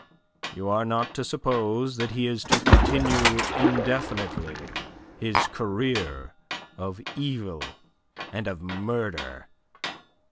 "You are not to suppose that he is to continue indefinitely his career of evil and of murder.